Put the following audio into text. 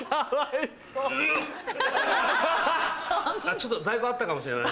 ちょっと在庫あったかもしれない。